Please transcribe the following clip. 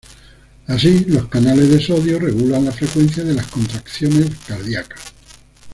Así, los canales de sodio regulan la frecuencia de las contracciones cardíacas.